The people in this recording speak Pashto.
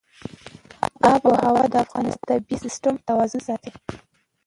آب وهوا د افغانستان د طبعي سیسټم توازن ساتي.